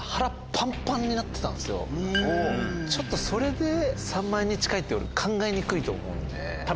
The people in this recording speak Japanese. ちょっとそれで３万円に近いって考えにくいと思うんで。